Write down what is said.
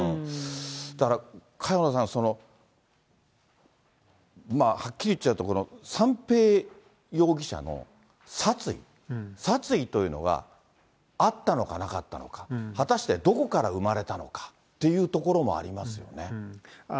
だから、萱野さん、はっきり言っちゃうと、三瓶容疑者の殺意、殺意というのはあったのかなかったのか、果たしてどこから生まれたのかっていうところもありますよね。